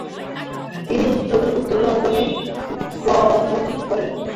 তিনি উত্তর লন্ডনে গমণ করেন।